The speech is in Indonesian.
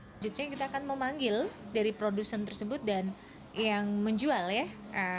selanjutnya kita akan memanggil dari produsen tersebut dan yang menjual ya